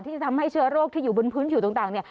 ที่จะทำให้เชื้อโรคที่อยู่บนพื้นผิวต่างเนี่ย